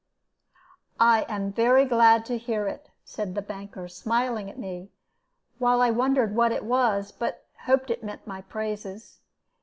"I am very glad to hear it," said the banker, smiling at me, while I wondered what it was, but hoped that it meant my praises.